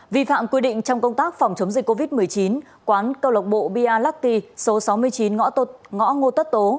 vì phạm quy định trong công tác phòng chống dịch covid một mươi chín quán cơ lộc bộ bialatti số sáu mươi chín ngõ tột